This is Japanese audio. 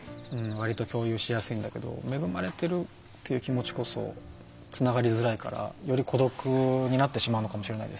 恵まれてるっていう気持ちこそつながりづらいからより孤独になってしまうのかもしれないですね。